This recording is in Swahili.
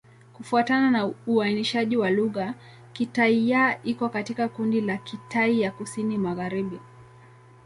Kufuatana na uainishaji wa lugha, Kitai-Ya iko katika kundi la Kitai ya Kusini-Magharibi.